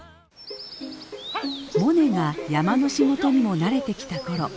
モネが山の仕事にも慣れてきた頃。